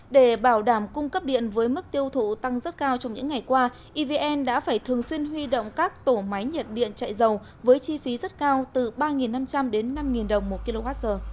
để bảo đảm cung cấp điện với mức tiêu thụ tăng rất cao trong những ngày qua evn đã phải thường xuyên huy động các tổ máy nhận điện chạy dầu với chi phí rất cao từ ba năm trăm linh đến năm đồng một kwh